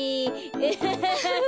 アハハハハ！